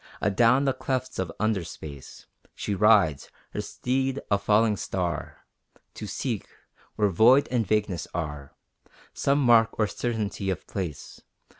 Adown the clefts of under space She rides, her steed a falling star, To seek, where void and vagueness are, Some mark or certainty of place.